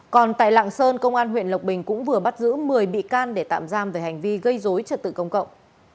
còn tại lạng sơn công an huyện lộc bình cũng vừa bắt giữ một mươi bị can để tạm giam về hành vi gây dối trật tự công cộng